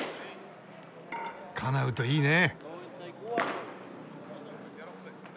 かなうといいね。